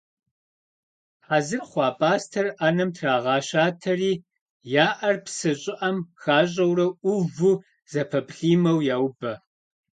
Хьэзыр хъуа пӏастэр ӏэнэм трагъэщатэри я ӏэр псы щӏыӏэм хащӏэурэ ӏуву, зэпэплӏимэу яубэ.